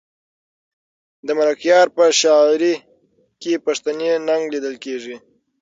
د ملکیار په شاعري کې پښتني ننګ لیدل کېږي.